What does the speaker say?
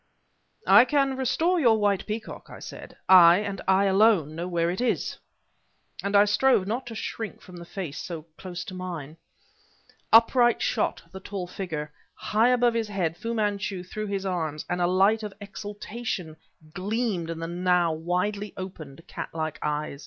"I can restore your white peacock," I said; "I and I alone, know where it is!" and I strove not to shrink from the face so close to mine. Upright shot the tall figure; high above his head Fu Manchu threw his arms and a light of exaltation gleamed in the now widely opened, catlike eyes.